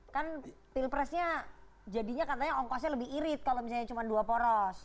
kan pilpresnya jadinya katanya ongkosnya lebih irit kalau misalnya cuma dua poros